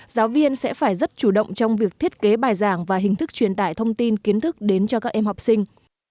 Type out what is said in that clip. giáo viên sẽ phải rất chủ động trong việc thiết kế bài giảng và hình thức truyền tải thông tin kiến thức đến cho các em học sinh